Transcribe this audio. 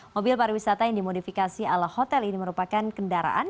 mobil pariwisata yang dimodifikasi ala hotel ini merupakan kendaraan